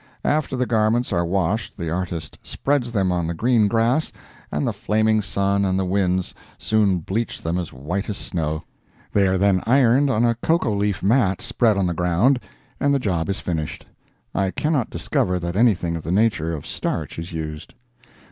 After the garments are washed the artist spreads them on the green grass, and the flaming sun and the winds soon bleach them as white as snow. They are then ironed on a cocoa leaf mat spread on the ground, and the job is finished. I cannot discover that anything of the nature of starch is used.